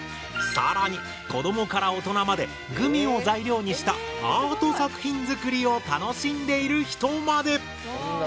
更に子どもから大人までグミを材料にしたアート作品づくりを楽しんでいる人まで！